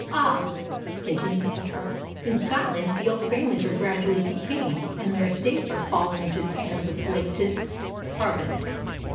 "Ah!" continued Flockart, "in Scotland the old families are gradually decaying, and their estates are falling into the hands of blatant parvenus.